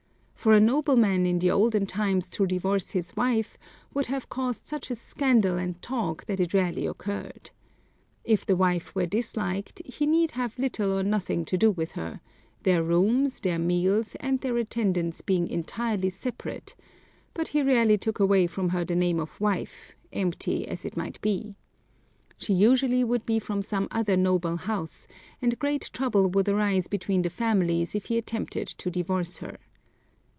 For a nobleman in the olden times to divorce his wife would have caused such a scandal and talk that it rarely occurred. If the wife were disliked, he need have little or nothing to do with her, their rooms, their meals, and their attendance being entirely separate, but he rarely took away from her the name of wife, empty as it might be. She usually would be from some other noble house, and great trouble would arise between the families if he attempted to divorce her.